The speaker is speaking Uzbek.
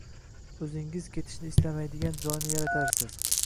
O’zingiz ketishni istamaydigan joyni yaratarsiz